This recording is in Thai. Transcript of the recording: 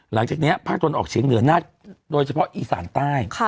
หลังจากนี้ภาคตนออกเฉียงเหนือโดยเฉพาะอีสานใต้